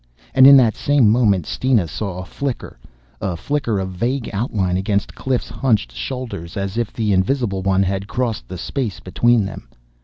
And in that same moment Steena saw a flicker a flicker of vague outline against Cliff's hunched shoulders as if the invisible one had crossed the space between them.